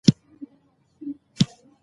نو به ګورې چي نړۍ دي د شاهي تاج در پرسر کي